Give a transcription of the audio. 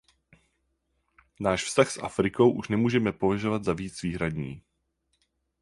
Náš vztah s Afrikou už nemůžeme považovat za víc výhradní.